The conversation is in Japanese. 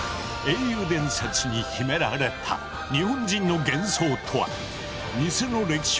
英雄伝説に秘められた日本人の幻想とは？